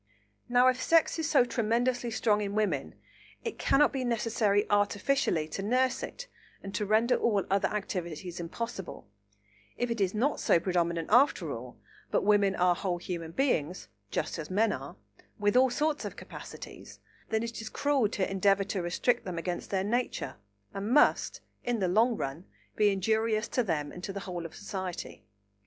Now, if sex is so tremendously strong in women, it cannot be necessary artificially to nurse it and to render all other activities impossible; if it is not so predominant after all, but women are whole human beings, just as men are, with all sorts of capacities, then it is cruel to endeavour to restrict them against their nature, and must, in the long run, be injurious to them and to the whole of society.